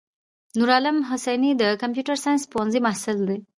نورعالم حسیني دکمپیوټر ساینس پوهنځی محصل ده.